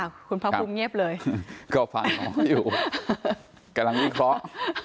อ้าวคุณพระภูมิเงียบเลยก็พาน้องเขาอยู่กำลังนี่เคาะ